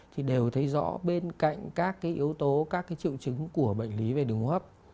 thì đều thấy rõ bên cạnh các cái yếu tố các cái triệu chứng của bệnh lý về đường hấp